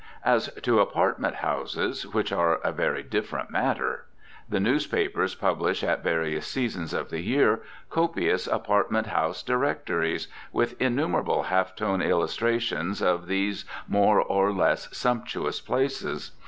As to apartment houses, which are a very different matter: the newspapers publish at various seasons of the year copious Apartment House Directories, with innumerable half tone illustrations of these more or less sumptious places.